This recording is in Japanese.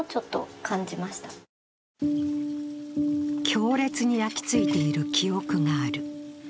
強烈に焼きついている記憶がある。